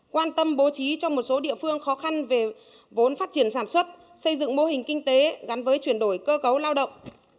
quan tâm bố trí cho một số địa phương khó khăn về vốn phát triển sản xuất xây dựng mô hình kinh tế gắn với chuyển đổi cơ cấu lao động